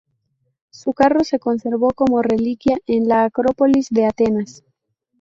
Su carro se conservó como reliquia en la Acrópolis de Atenas.